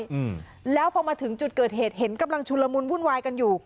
อืมแล้วพอมาถึงจุดเกิดเหตุเห็นกำลังชุนละมุนวุ่นวายกันอยู่